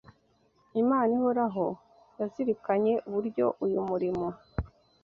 Imana ihoraho yazirikanye uburyo uyu murimo